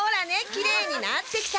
きれいになってきた。